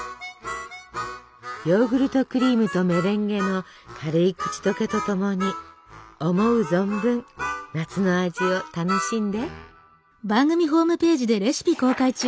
ヨーグルトクリームとメレンゲの軽い口どけとともに思う存分夏の味を楽しんで。